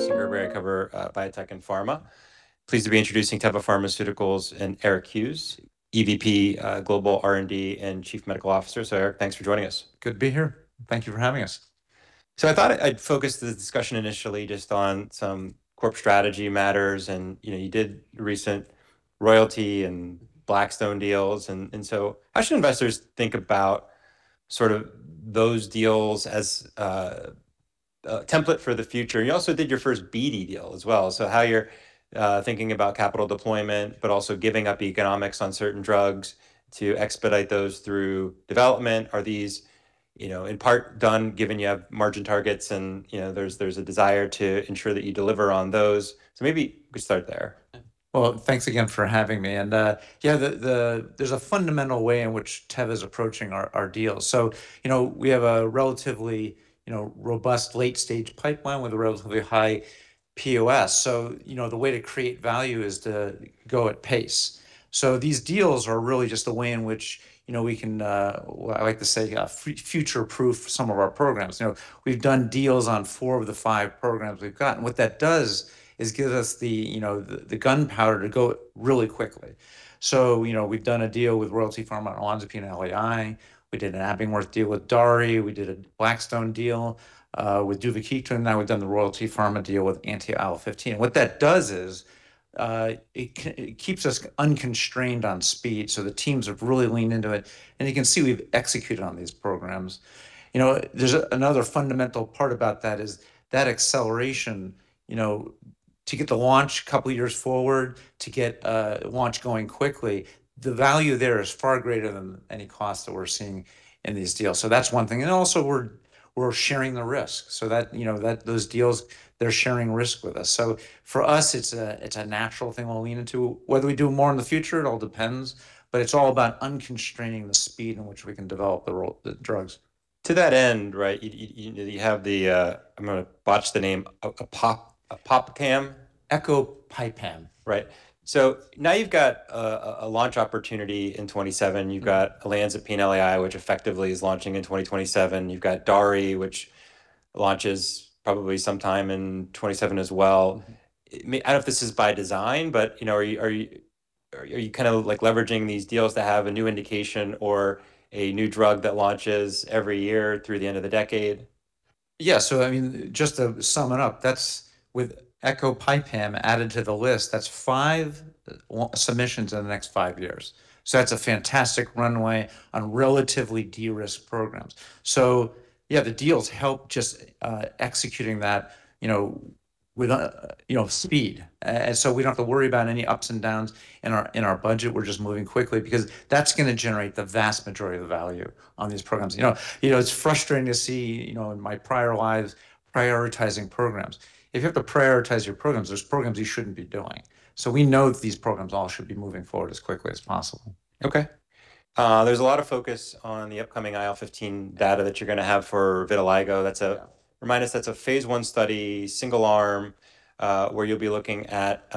Jason Gerberry. I cover biotech and pharma. Pleased to be introducing Teva Pharmaceutical Industries and Eric Hughes, EVP, Global R&D and Chief Medical Officer. Eric, thanks for joining us. Good to be here. Thank you for having us. I thought I'd focus the discussion initially just on some corp strategy matters, and, you know, you did recent royalty and Blackstone deals. How should investors think about sort of those deals as a template for the future? You also did your first BD deal as well, how you're thinking about capital deployment, but also giving up economics on certain drugs to expedite those through development. Are these, you know, in part done given you have margin targets and, you know, there's a desire to ensure that you deliver on those? Maybe we could start there. Thanks again for having me, and yeah, there's a fundamental way in which Teva's approaching our deals. You know, we have a relatively, you know, robust late-stage pipeline with a relatively high POS, you know, the way to create value is to go at pace. These deals are really just a way in which, you know, we can I like to say future proof some of our programs. You know, we've done deals on four of the five programs we've got, and what that does is gives us the, you know, gunpowder to go really quickly. You know, we've done a deal with Royalty Pharma on olanzapine LAI. We did an Abingworth deal with DARI. We did a Blackstone deal with duvakitug, and now we've done the Royalty Pharma deal with anti-IL-15. What that does is, it keeps us unconstrained on speed, so the teams have really leaned into it, and you can see we've executed on these programs. You know, there's another fundamental part about that is that acceleration, you know, to get the launch a couple years forward, to get a launch going quickly, the value there is far greater than any cost that we're seeing in these deals. That's one thing. Also we're sharing the risk so that, you know, those deals, they're sharing risk with us. For us, it's a natural thing we'll lean into. Whether we do more in the future, it all depends, but it's all about unconstraining the speed in which we can develop the drugs. To that end, right, you know, you have the, I'm gonna botch the name, pop, ecopipam. Ecopipam. Right. Now you've got a launch opportunity in 2027. You've got olanzapine LAI, which effectively is launching in 2027. You've got DARI, which launches probably sometime in 2027 as well. I mean, I don't know if this is by design, you know, are you kind of, like, leveraging these deals to have a new indication or a new drug that launches every year through the end of the decade? Yeah. I mean, just to sum it up, that's, with ecopipam added to the list, that's five submissions in the next five years, that's a fantastic runway on relatively de-risked programs. Yeah, the deals help just executing that, you know, with, you know, speed. We don't have to worry about any ups and downs in our, in our budget. We're just moving quickly because that's gonna generate the vast majority of the value on these programs. You know, it's frustrating to see, you know, in my prior lives, prioritizing programs. If you have to prioritize your programs, there's programs you shouldn't be doing. We know that these programs all should be moving forward as quickly as possible. Okay. There's a lot of focus on the upcoming IL-15 data that you're gonna have for vitiligo. Yeah remind us, that's a phase I study, single arm, where you'll be looking at,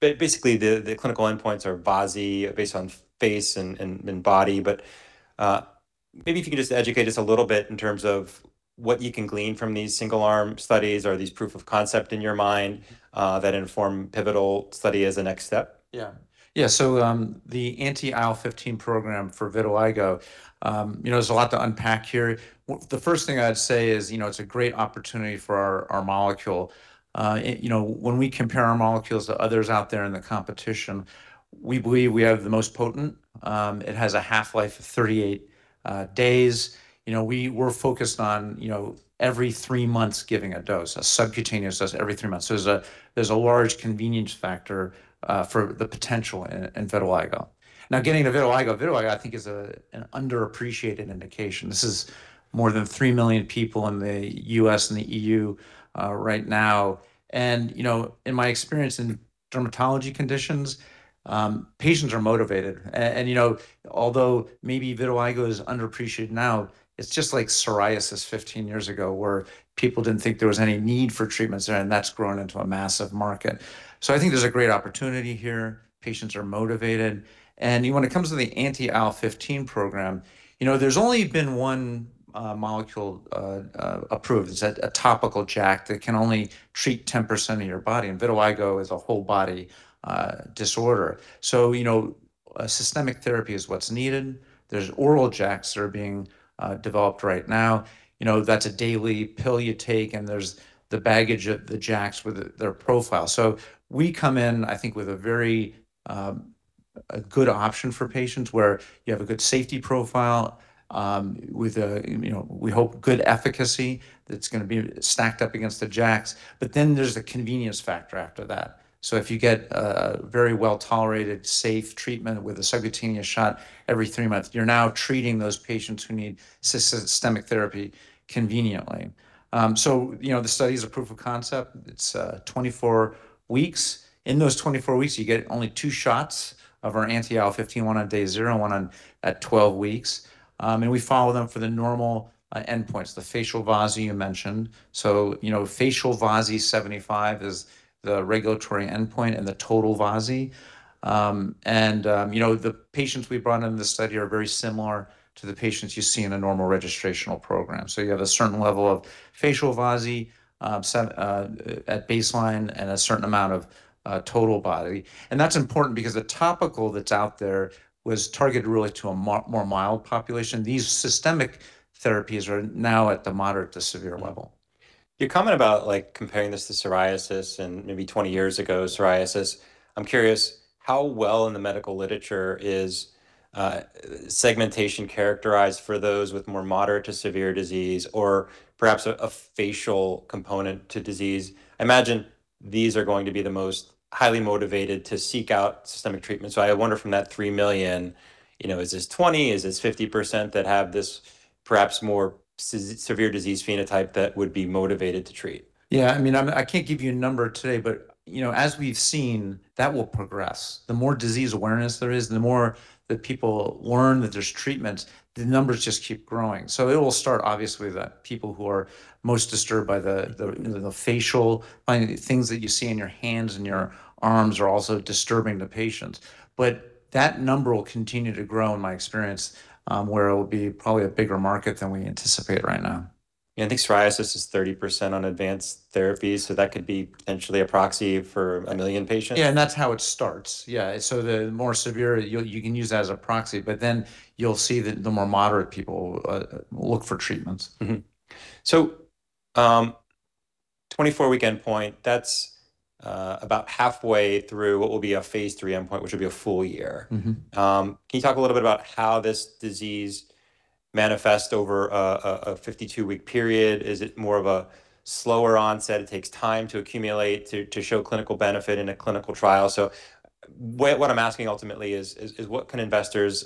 basically the clinical endpoints are VASI based on face and body. Maybe if you can just educate us a little bit in terms of what you can glean from these single arm studies. Are these proof of concept in your mind that inform pivotal study as a next step? Yeah. Yeah. The anti-IL-15 program for vitiligo, you know, there's a lot to unpack here. The first thing I'd say is, you know, it's a great opportunity for our molecule. You know, when we compare our molecules to others out there in the competition, we believe we have the most potent. It has a half-life of 38 days. You know, we're focused on, you know, every three months giving a dose, a subcutaneous dose every three months. There's a large convenience factor for the potential in vitiligo. Now, getting to vitiligo I think is an underappreciated indication. This is more than 3 million people in the U.S. and the E.U. right now, and, you know, in my experience in dermatology conditions, patients are motivated. You know, although maybe vitiligo is underappreciated now, it's just like psoriasis 15 years ago, where people didn't think there was any need for treatments there, and that's grown into a massive market. I think there's a great opportunity here. Patients are motivated when it comes to the anti-IL-15 program, you know, there's only been one molecule approved. It's a topical JAK that can only treat 10% of your body, and vitiligo is a whole body disorder. You know, a systemic therapy is what's needed. There's oral JAKs that are being developed right now. You know, that's a daily pill you take, and there's the baggage of the JAKs with their profile. We come in, I think, with a very, a good option for patients, where you have a good safety profile, with a, you know, we hope good efficacy that's gonna be stacked up against the JAKs. There's the convenience factor after that, so if you get a very well-tolerated, safe treatment with a subcutaneous shot every three months, you're now treating those patients who need systemic therapy conveniently. You know, the study is a proof of concept. It's 24 weeks. In those 24 weeks, you get only two shots of our anti-IL-15, one on day zero and one on, at 12 weeks. We follow them for the normal, endpoints, the facial VASI you mentioned. You know, facial VASI 75 is the regulatory endpoint and the total VASI. You know, the patients we brought into the study are very similar to the patients you see in a normal registrational program. You have a certain level of facial VASI at baseline and a certain amount of total body. That's important because the topical that's out there was targeted really to a more mild population. These systemic therapies are now at the moderate to severe level. Your comment about, like, comparing this to psoriasis and maybe 20 years ago psoriasis, I'm curious how well in the medical literature is segmentation characterized for those with more moderate to severe disease or perhaps a facial component to disease. I imagine these are going to be the most highly motivated to seek out systemic treatment. I wonder from that 3 million, you know, is this 20, is this 50% that have this perhaps more severe disease phenotype that would be motivated to treat? Yeah, I mean, I can't give you a number today, but, you know, as we've seen, that will progress. The more disease awareness there is, the more that people learn that there's treatments, the numbers just keep growing. It will start obviously with the people who are most disturbed by the facial. The things that you see in your hands and your arms are also disturbing to patients. That number will continue to grow, in my experience, where it'll be probably a bigger market than we anticipate right now. Yeah, I think psoriasis is 30% on advanced therapy, that could be potentially a proxy for a million patients. That's how it starts. Yeah. The more severe You can use that as a proxy, you'll see the more moderate people look for treatments. 24-week endpoint, that's about halfway through what will be a phase III endpoint, which will be a full year. Can you talk a little bit about how this disease manifests over a 52-week period? Is it more of a slower onset, it takes time to accumulate to show clinical benefit in a clinical trial? What I'm asking ultimately is what can investors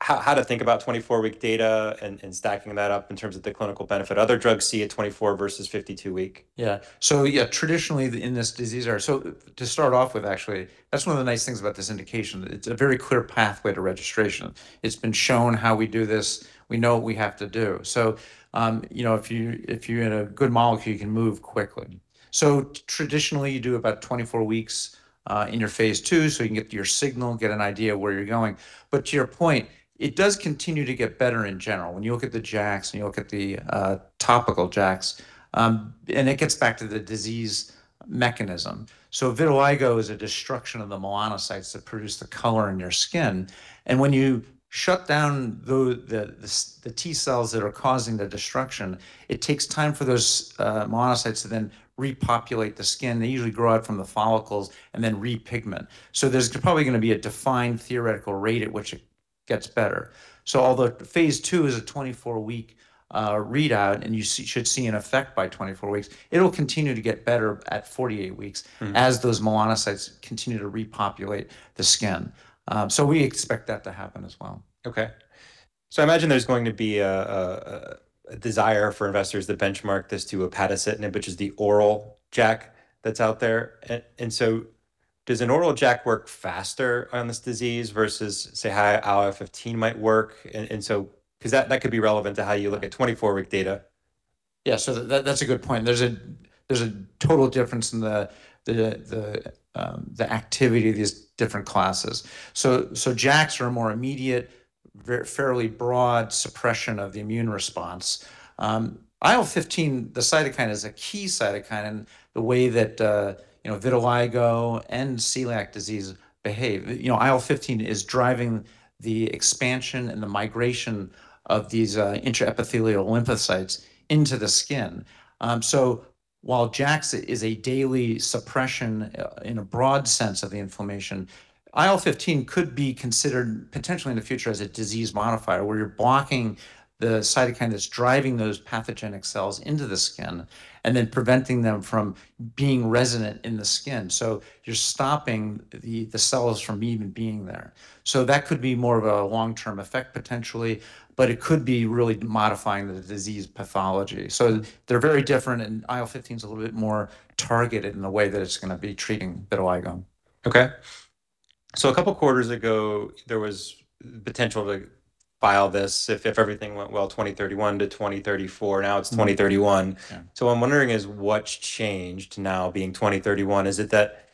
how to think about 24-week data and stacking that up in terms of the clinical benefit other drugs see at 24 versus 52-week? Yeah. To start off with actually, that's one of the nice things about this indication. It's a very clear pathway to registration. It's been shown how we do this. We know what we have to do. You know, if you had a good molecule, you can move quickly. Traditionally you do about 24 weeks in your phase II, so you can get your signal, get an idea of where you're going. To your point, it does continue to get better in general. When you look at the JAKs and you look at the topical JAKs, it gets back to the disease mechanism. Vitiligo is a destruction of the melanocytes that produce the color in your skin, and when you shut down the T cells that are causing the destruction, it takes time for those melanocytes to then repopulate the skin. They usually grow out from the follicles and then repigment. There's probably gonna be a defined theoretical rate at which it gets better. Although phase II is a 24-week readout and you should see an effect by 24 weeks, it'll continue to get better at 48 weeks. as those melanocytes continue to repopulate the skin. We expect that to happen as well. I imagine there's going to be a desire for investors to benchmark this to upadacitinib, which is the oral JAK that's out there. Does an oral JAK work faster on this disease versus, say, how IL-15 might work? That could be relevant to how you look at 24-week data. Yeah, that's a good point. There's a total difference in the activity of these different classes. JAKs are a more immediate, fairly broad suppression of the immune response. IL-15, the cytokine, is a key cytokine in the way that, you know, vitiligo and celiac disease behave. You know, IL-15 is driving the expansion and the migration of these intraepithelial lymphocytes into the skin. While JAKs is a daily suppression in a broad sense of the inflammation, IL-15 could be considered potentially in the future as a disease modifier, where you're blocking the cytokine that's driving those pathogenic cells into the skin and then preventing them from being resonant in the skin. You're stopping the cells from even being there. That could be more of a long-term effect potentially, but it could be really modifying the disease pathology. They're very different, and IL-15's a little bit more targeted in the way that it's gonna be treating vitiligo. Okay. A couple quarters ago, there was potential to file this if everything went well, 2031 to 2034. Now it's 2031. Yeah. What I'm wondering is what's changed now being 2031? Is it that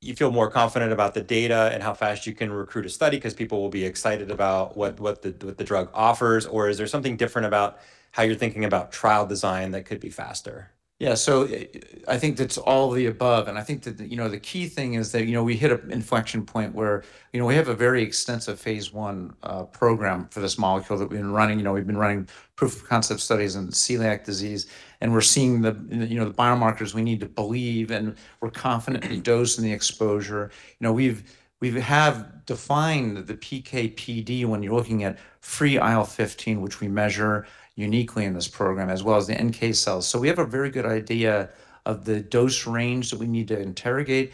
you feel more confident about the data and how fast you can recruit a study 'cause people will be excited about what the drug offers, or is there something different about how you're thinking about trial design that could be faster? I think it's all the above, and I think that, you know, the key thing is that, you know, we hit an inflection point where, you know, we have a very extensive phase I program for this molecule that we've been running. You know, we've been running proof of concept studies in celiac disease, and we're seeing, you know, the biomarkers we need to believe, and we're confident in the dose and the exposure. You know, we have defined the PK/PD when you're looking at free IL-15, which we measure uniquely in this program, as well as the NK cells. We have a very good idea of the dose range that we need to interrogate.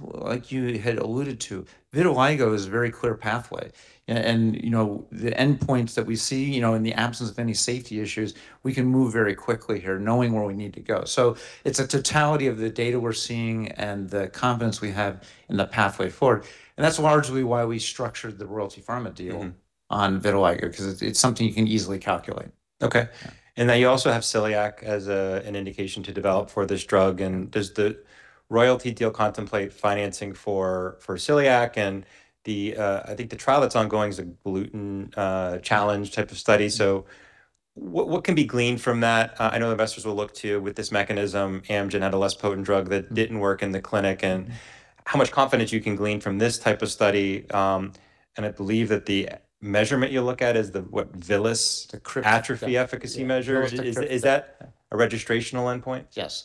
Like you had alluded to, vitiligo is a very clear pathway. You know, the endpoints that we see, you know, in the absence of any safety issues, we can move very quickly here knowing where we need to go. It's a totality of the data we're seeing and the confidence we have in the pathway forward, that's largely why we structured the Royalty Pharma deal. on vitiligo, 'cause it's something you can easily calculate. Okay. Yeah. Now you also have celiac as an indication to develop for this drug, and does the royalty deal contemplate financing for celiac? The, I think the trial that's ongoing is a gluten challenge type of study. What can be gleaned from that? I know investors will look to with this mechanism. Amgen had a less potent drug that didn't work in the clinic, how much confidence you can glean from this type of study, I believe that the measurement you look at is the, what, villous- The crypt atrophy efficacy measure. villus-to-crypt, yeah. Is that a registrational endpoint? Yes.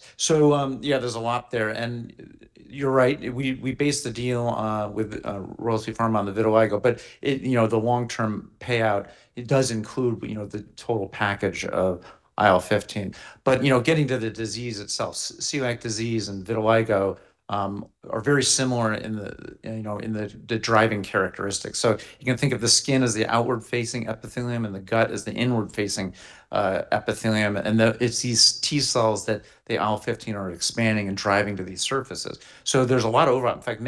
Yeah, there's a lot there, and you're right. We based the deal with Royalty Pharma on the vitiligo, but it, you know, the long-term payout, it does include, you know, the total package of IL-15. You know, getting to the disease itself, celiac disease and vitiligo are very similar in the, you know, in the driving characteristics. You can think of the skin as the outward-facing epithelium and the gut as the inward-facing epithelium. It's these T cells that the IL-15 are expanding and driving to these surfaces. There's a lot of overlap. In fact,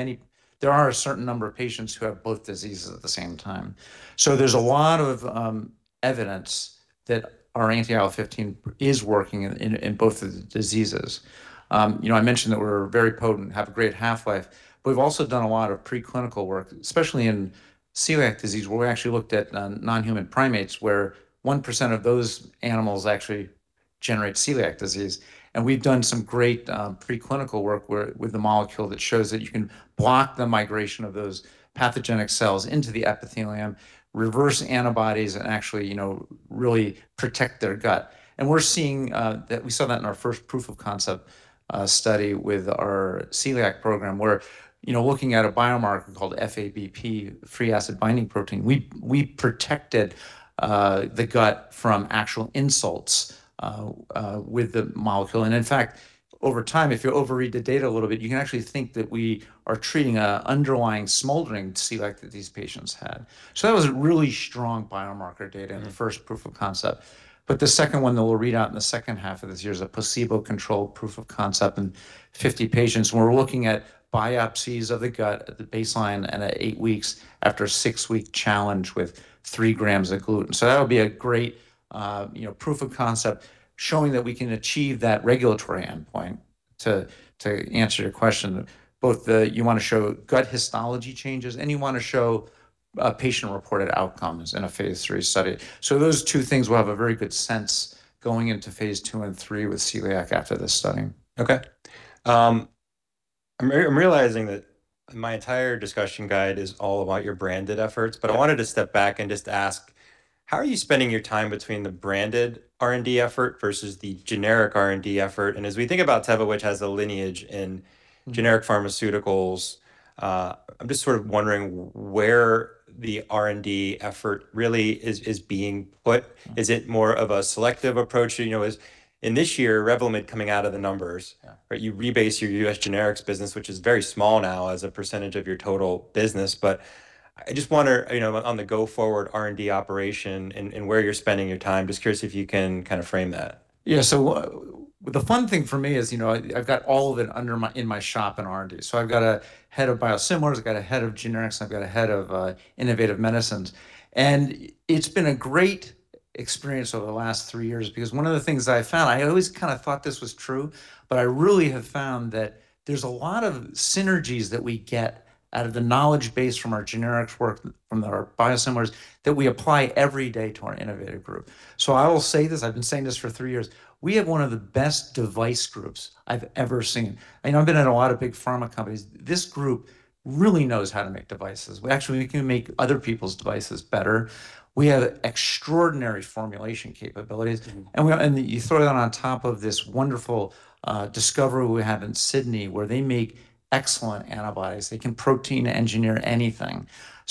there are a certain number of patients who have both diseases at the same time. There's a lot of evidence that our anti-IL-15 is working in both of the diseases. You know, I mentioned that we're very potent, have a great half-life. We've also done a lot of preclinical work, especially in celiac disease, where we actually looked at non-human primates, where 1% of those animals actually generate celiac disease. We've done some great preclinical work where, with the molecule that shows that you can block the migration of those pathogenic cells into the epithelium, reverse antibodies, and actually, you know, really protect their gut. We're seeing that we saw that in our first proof of concept study with our celiac program, where, you know, looking at a biomarker called FABP, fatty acid binding protein, we protected the gut from actual insults with the molecule. In fact, over time, if you overread the data a little bit, you can actually think that we are treating a underlying smoldering celiac that these patients had. That was really strong biomarker data. in the first proof of concept. The second one that we'll read out in the second half of this year is a placebo-controlled proof of concept in 50 patients, and we're looking at biopsies of the gut at the baseline and at eight weeks after a six-week challenge with 3 g of gluten. That'll be a great, you know, proof of concept showing that we can achieve that regulatory endpoint to answer your question. You want to show gut histology changes, and you want to show patient-reported outcomes in a phase III study. Those two things, we'll have a very good sense going into phase II and III with celiac after this study. Okay. I'm realizing that my entire discussion guide is all about your branded efforts. I wanted to step back and just ask: How are you spending your time between the branded R&D effort versus the generic R&D effort? As we think about Teva, which has a lineage. generic pharmaceuticals, I'm just sort of wondering where the R&D effort really is being put. Is it more of a selective approach? You know, as in this year, Revlimid coming out of the numbers. Yeah. Right? You rebase your U.S. generics business, which is very small now as a percentage of your total business. I just wonder, you know, on the go-forward R&D operation and where you're spending your time, just curious if you can kind of frame that? Yeah. The fun thing for me is, you know, I've got all of it under my in my shop in R&D. I've got a head of biosimilars, I've got a head of generics, and I've got a head of innovative medicines. It's been a great experience over the last three years because one of the things I found, I always kind of thought this was true, but I really have found that there's a lot of synergies that we get out of the knowledge base from our generics work, from our biosimilars, that we apply every day to our innovative group. I will say this, I've been saying this for three years, we have one of the best device groups I've ever seen. You know, I've been at a lot of big pharma companies. This group really knows how to make devices. We actually can make other people's devices better. We have extraordinary formulation capabilities. You throw that on top of this wonderful discovery we have in Sydney where they make excellent antibodies. They can protein engineer anything.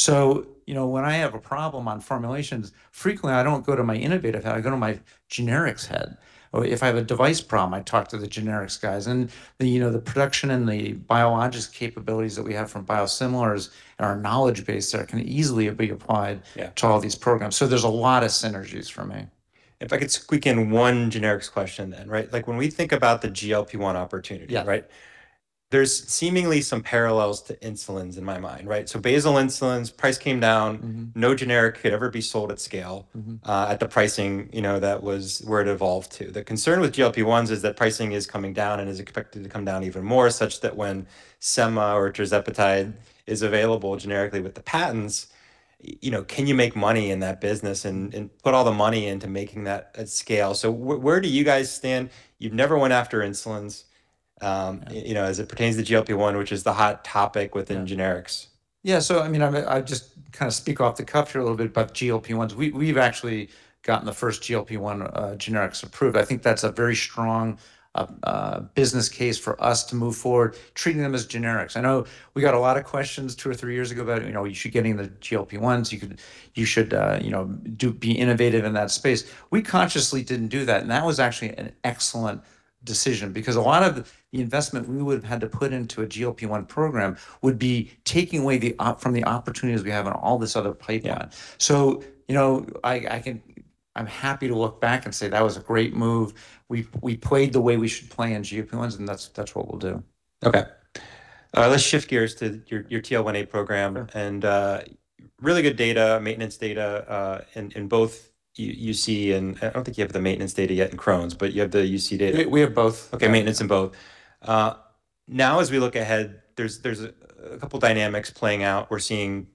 You know, when I have a problem on formulations, frequently I don't go to my innovative head, I go to my generics head. If I have a device problem, I talk to the generics guys. The, you know, the production and the biologics capabilities that we have from biosimilars and our knowledge base there can easily be applied Yeah to all these programs. There's a lot of synergies for me. If I could squeak in one generics question then, right? Like, when we think about the GLP-1 opportunity. Yeah right? There's seemingly some parallels to insulins in my mind, right? basal insulins, price came down. No generic could ever be sold at scale. at the pricing, you know, that was where it evolved to. The concern with GLP-1s is that pricing is coming down and is expected to come down even more, such that when semaglutide or tirzepatide is available generically with the patents, you know, can you make money in that business and put all the money into making that at scale? Where do you guys stand? You never went after insulins, you know, as it pertains to GLP-1, which is the hot topic within generics. Yeah. I mean, I'm, I'll just kind of speak off the cuff here a little bit about GLP-1s. We've actually gotten the first GLP-1 generics approved. I think that's a very strong business case for us to move forward treating them as generics. I know we got a lot of questions two or three years ago about, you know, you should get into the GLP-1s. You should, you know, be innovative in that space. We consciously didn't do that, and that was actually an excellent decision because a lot of the investment we would have had to put into a GLP-1 program would be taking away from the opportunities we have on all this other plate we have. Yeah. you know, I'm happy to look back and say that was a great move. We played the way we should play in GLP-1s, and that's what we'll do. Okay. Let's shift gears to your TL1A program. Sure. Really good data, maintenance data, in both UC, and I don't think you have the maintenance data yet in Crohn's, but you have the UC data. We have both. Maintenance in both. Now as we look ahead, there's a couple dynamics playing out. We're seeing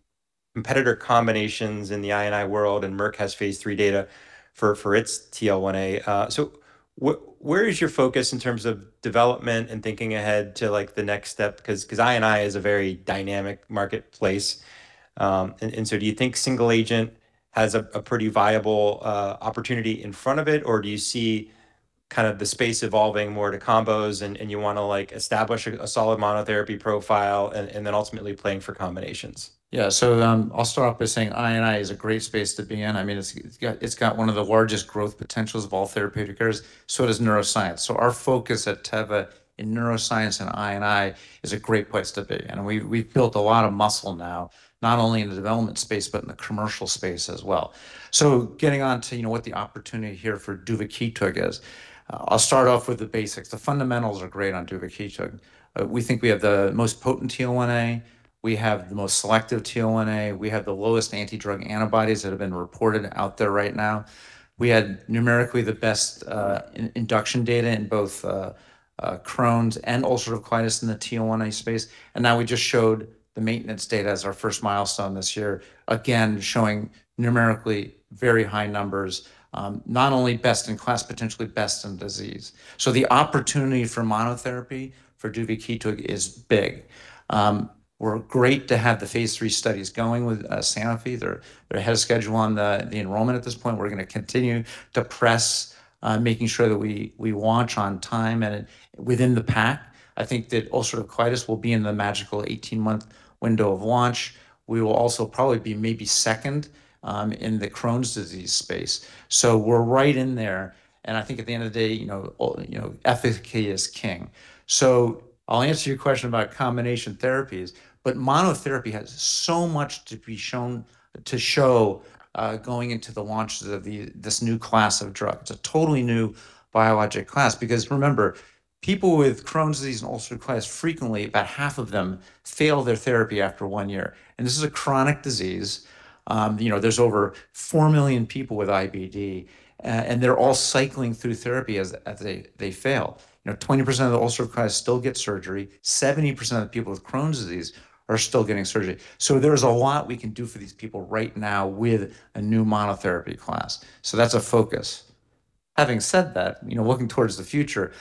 competitor combinations in the I&I world, and Merck has phase III data for its TL1A. Where is your focus in terms of development and thinking ahead to, like, the next step? 'Cause I&I is a very dynamic marketplace. Do you think single agent has a pretty viable opportunity in front of it, or do you see kind of the space evolving more to combos and you wanna, like, establish a solid monotherapy profile and then ultimately playing for combinations? Yeah. I'll start off by saying I&I is a great space to be in. I mean, it's got one of the largest growth potentials of all therapeutic areas, so does neuroscience. Our focus at Teva in neuroscience and I&I is a great place to be. We've built a lot of muscle now, not only in the development space, but in the commercial space as well. Getting on to, you know, what the opportunity here for duvakitug is, I'll start off with the basics. The fundamentals are great on duvakitug. We think we have the most potent TL1A. We have the most selective TL1A. We have the lowest anti-drug antibodies that have been reported out there right now. We had numerically the best in-induction data in both Crohn's and ulcerative colitis in the TL1A space, and now we just showed the maintenance data as our first milestone this year, again, showing numerically very high numbers, not only best in class, potentially best in disease. The opportunity for monotherapy for duvakitug is big. We're great to have the phase III studies going with Sanofi. They're ahead of schedule on the enrollment at this point. We're gonna continue to press making sure that we launch on time and within the pack. I think that ulcerative colitis will be in the magical 18-month window of launch. We will also probably be maybe second in the Crohn's disease space. We're right in there, and I think at the end of the day, you know, efficacy is king. I'll answer your question about combination therapies, but monotherapy has so much to be shown, to show, going into the launch of this new class of drug. It's a totally new biologic class because remember, people with Crohn's disease and Ulcerative Colitis frequently, about half of them, fail their therapy after one year, and this is a chronic disease. You know, there's over 4 million people with IBD, and they're all cycling through therapy as they fail. You know, 20% of the Ulcerative Colitis still get surgery, 70% of people with Crohn's disease are still getting surgery. There's a lot we can do for these people right now with a new monotherapy class, so that's a focus. Having said that, you know, looking towards the future,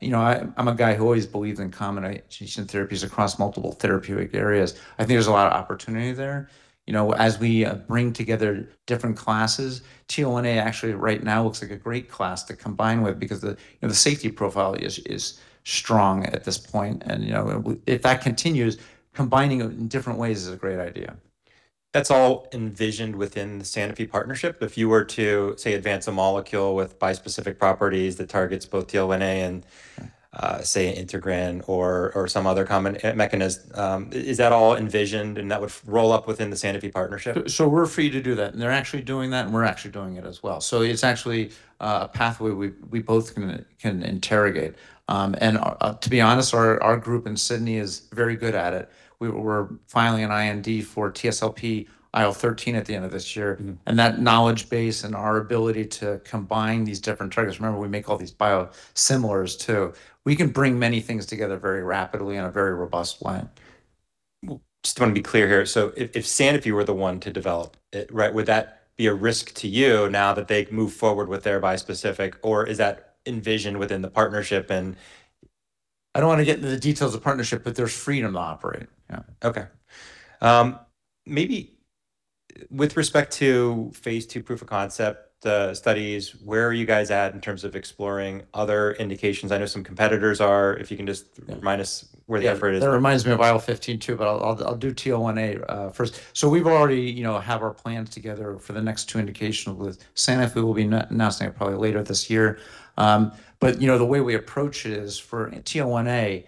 you know, I'm a guy who always believes in combination therapies across multiple therapeutic areas. I think there's a lot of opportunity there. You know, as we bring together different classes, TL1A actually right now looks like a great class to combine with because the, you know, the safety profile is strong at this point and, you know, if that continues, combining them in different ways is a great idea. That's all envisioned within the Sanofi partnership. If you were to, say, advance a molecule with bispecific properties that targets both TL1A and, say, integrin or some other common mechanism, is that all envisioned and that would roll up within the Sanofi partnership? We're free to do that, and they're actually doing that, and we're actually doing it as well. It's actually a pathway we both can interrogate. To be honest, our group in Sydney is very good at it. We're filing an IND for TSLP IL-13 at the end of this year. That knowledge base and our ability to combine these different targets, remember, we make all these biosimilars too, we can bring many things together very rapidly in a very robust way. Just wanna be clear here. If Sanofi were the one to develop it, right, would that be a risk to you now that they move forward with their bispecific, or is that envisioned within the partnership? I don't wanna get into the details of partnership, but there's freedom to operate. Yeah. Okay. Maybe with respect to phase II proof of concept studies, where are you guys at in terms of exploring other indications? I know some competitors are, if you can just remind us where the effort is. Yeah, that reminds me of IL-15 too. I'll do TL1A first. We've already, you know, have our plans together for the next two indications with Sanofi. We'll be announcing it probably later this year. You know, the way we approach it is for TL1A,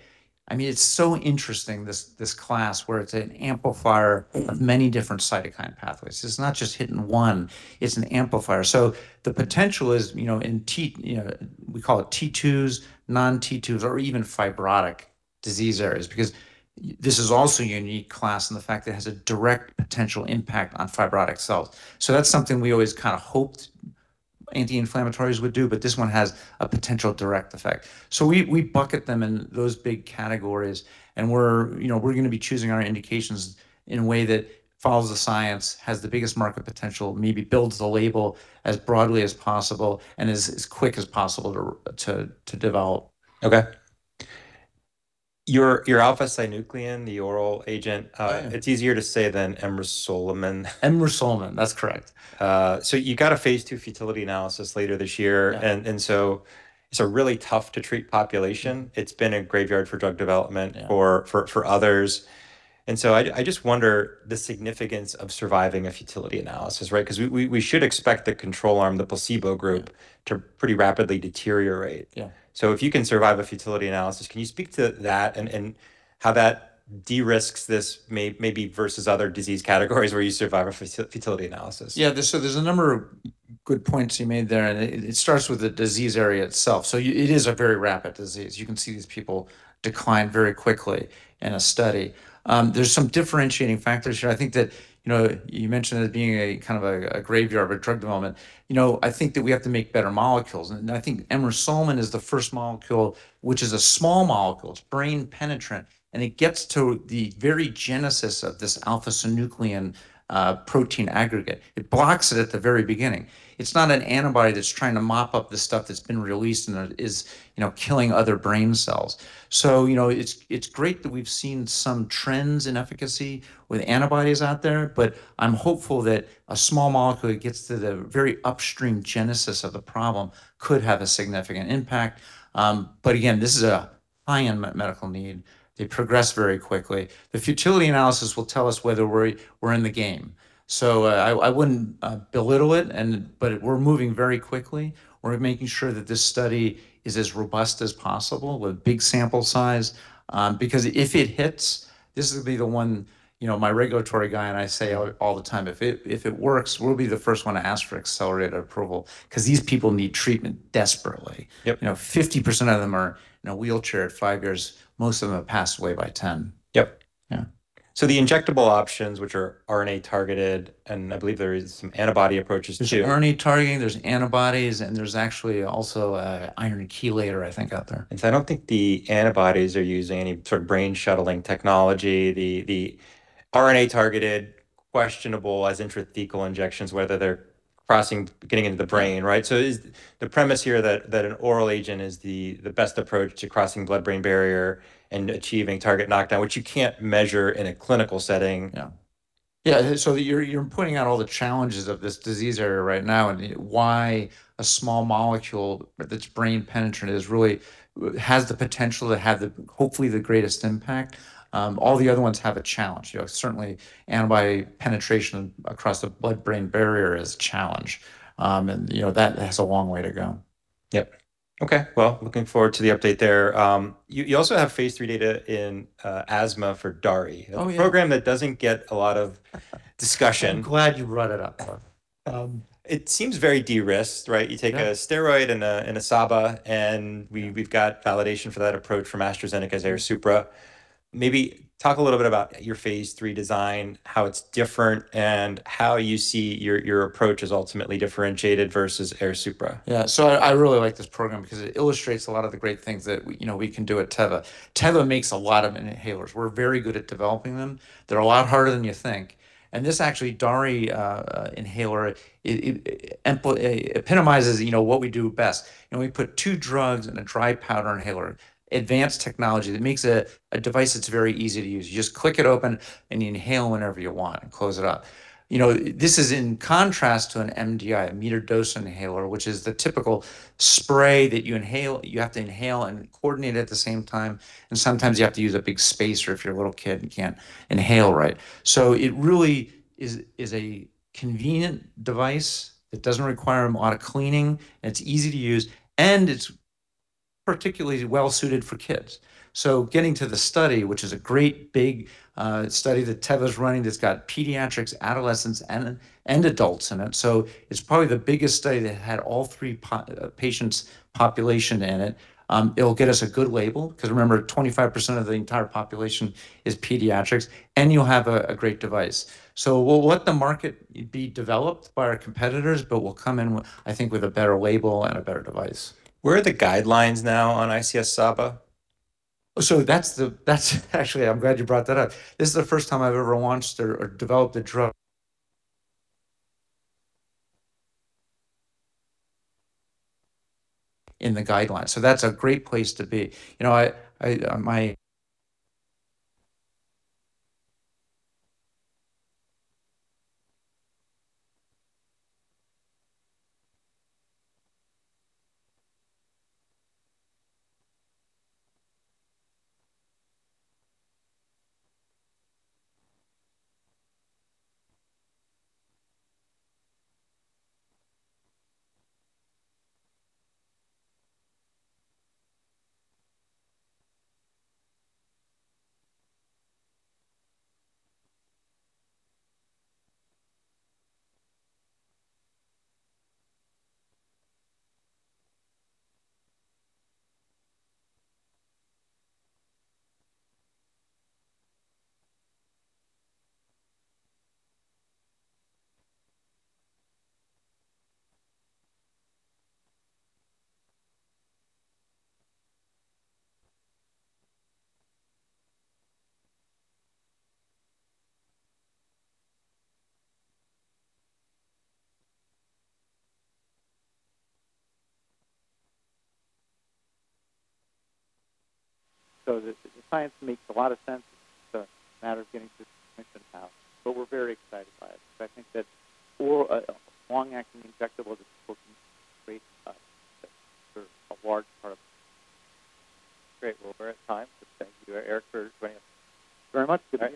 I mean, it's so interesting this class where it's an amplifier of many different cytokine pathways. It's not just hitting one, it's an amplifier. The potential is, you know, in T2s, non-T2s, or even fibrotic disease areas because this is also a unique class in the fact that it has a direct potential impact on fibrotic cells. That's something we always kind of hoped anti-inflammatories would do, but this one has a potential direct effect. We bucket them in those big categories and we're, you know, we're gonna be choosing our indications in a way that follows the science, has the biggest market potential, maybe builds the label as broadly as possible and as quick as possible to develop. Okay. Your alpha-synuclein, the oral agent. Yeah It's easier to say than emrusolmin. emrusolmin, that's correct. You got a phase II futility analysis later this year. Yeah. It's a really tough to treat population. It's been a graveyard for drug development. Yeah for others. I just wonder the significance of surviving a futility analysis, right? 'Cause we should expect the control arm, the placebo group. Yeah to pretty rapidly deteriorate. Yeah. If you can survive a futility analysis, can you speak to that and how that de-risks this maybe versus other disease categories where you survive a futility analysis? Yeah. There's, so there's a number of good points you made there, and it starts with the disease area itself. It is a very rapid disease. You can see these people decline very quickly in a study. There's some differentiating factors here. I think that, you know, you mentioned it as being a kind of a graveyard of a drug development. You know, I think that we have to make better molecules, and I think emrusolmin is the first molecule, which is a small molecule. It's brain penetrant, and it gets to the very genesis of this alpha-synuclein protein aggregate. It blocks it at the very beginning. It's not an antibody that's trying to mop up the stuff that's been released and is, you know, killing other brain cells. You know, it's great that we've seen some trends in efficacy with antibodies out there, but I'm hopeful that a small molecule that gets to the very upstream genesis of the problem could have a significant impact. Again, this is a high unmet medical need. They progress very quickly. The futility analysis will tell us whether we're in the game. I wouldn't belittle it, but we're moving very quickly. We're making sure that this study is as robust as possible with big sample size, because if it hits, this will be the one You know, my regulatory guy and I say all the time, "If it works, we'll be the first one to ask for accelerated approval," 'cause these people need treatment desperately. Yep. You know, 50% of them are in a wheelchair at five years. Most of them have passed away by 10. Yep. Yeah. The injectable options, which are RNA targeted, and I believe there is some antibody approaches too. There's RNA targeting, there's antibodies, and there's actually also a iron chelator, I think, out there. I don't think the antibodies are using any sort of brain shuttling technology. The RNA targeted, questionable as intrathecal injections, whether they're crossing, getting into the brain, right? Is the premise here that an oral agent is the best approach to crossing blood-brain barrier and achieving target knockdown, which you can't measure in a clinical setting? Yeah. Yeah. You're pointing out all the challenges of this disease area right now, and why a small molecule that's brain penetrant is really, has the potential to have hopefully the greatest impact. All the other ones have a challenge. You know, certainly antibody penetration across the blood-brain barrier is a challenge. You know, that has a long way to go. Yep. Okay. Well, looking forward to the update there. You also have phase III data in asthma for duvakitug. Oh, yeah. A program that doesn't get a lot of discussion. I'm glad you brought it up. It seems very de-risked, right? Yeah. You take a steroid and a SABA, and we- Yeah we've got validation for that approach from AstraZeneca's AIRSUPRA. Maybe talk a little bit about your phase III design, how it's different, and how you see your approach as ultimately differentiated versus AIRSUPRA. Yeah. I really like this program because it illustrates a lot of the great things that we, you know, we can do at Teva. Teva makes a lot of inhalers. We're very good at developing them. They're a lot harder than you think. This actually, duvakitug inhaler, it epitomizes, you know, what we do best. You know, we put two drugs in a dry powder inhaler, advanced technology that makes a device that's very easy to use. You just click it open, and you inhale whenever you want, and close it up. You know, this is in contrast to an MDI, a metered dose inhaler, which is the typical spray that you inhale, you have to inhale and coordinate at the same time, and sometimes you have to use a big spacer if you're a little kid and can't inhale right. It really is a convenient device that doesn't require a lot of cleaning, and it's easy to use, and it's particularly well-suited for kids. Getting to the study, which is a great big study that Teva's running that's got pediatrics, adolescents, and adults in it. It's probably the biggest study that had all three patients population in it. It'll get us a good label, 'cause remember, 25% of the entire population is pediatrics, and you'll have a great device. We'll let the market be developed by our competitors, but we'll come in I think, with a better label and a better device. Where are the guidelines now on ICS/SABA? That's actually, I'm glad you brought that up. This is the first time I've ever launched or developed a drug in the guidelines. That's a great place to be. You know, I. The science makes a lot of sense. It's a matter of getting to the clinician now, but we're very excited by it. I think that for a long-acting injectable that's supposed to create Yeah for a large part of it. Great. We're at time, so thank you, Eric, for joining us. Very much appreciate